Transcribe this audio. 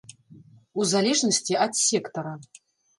У залежнасці ад сектара.